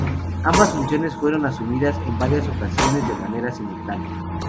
Ambas funciones fueron asumidas en varias ocasiones de manera simultánea.